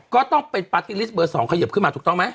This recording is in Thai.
ก็ต้องเป็นปาร์ตี้ลิสต์เบอร์๒ขยิบขึ้นมาถูกต้องไหม